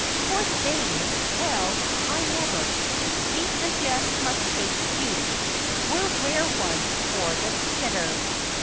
' Poor thing ! Well, I never ! Me and Jess must take you. We're rare ones for the theayter.